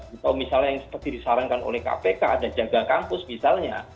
atau misalnya seperti yang disarankan oleh kpk dan jaga kampus misalnya